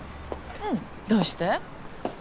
うんどうして？